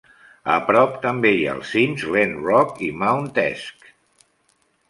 A prop també hi ha els cims Glen Rock i Mount Esk.